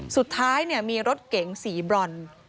สุดท้ายมีรถเก๋งสีบรอน